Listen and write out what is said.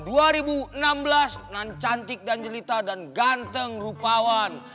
dan cantik dan jelita dan ganteng rupawan